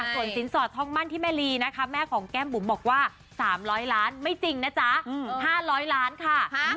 ส่วนสินสอดทองมั่นที่แม่ลีนะคะแม่ของแก้มบุ๋มบอกว่า๓๐๐ล้านไม่จริงนะจ๊ะ๕๐๐ล้านค่ะ